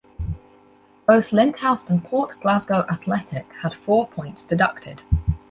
Both Linthouse and Port Glasgow Athletic had four points deducted.